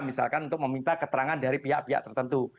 misalkan untuk meminta keterangan dari pihak pihak tertentu